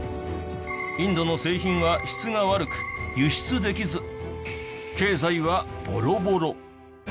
インドの製品は質が悪く輸出できず経済はボロボロ。